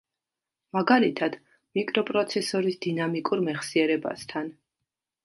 მაგალითად, მიკროპროცესორის დინამიკურ მეხსიერებასთან.